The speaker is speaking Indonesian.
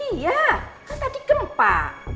iya kan tadi gempa